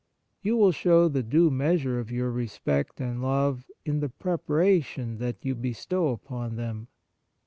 You will show the due measure of your respect and love in the preparation that you bestow upon them.